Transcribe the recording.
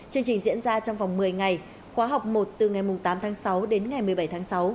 chương trình diễn ra trong vòng một mươi ngày khóa học một từ ngày tám tháng sáu đến ngày một mươi bảy tháng sáu